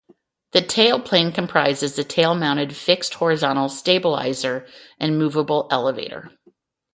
The tailplane comprises the tail-mounted fixed horizontal stabiliser and movable elevator.